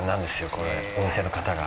これお店の方が。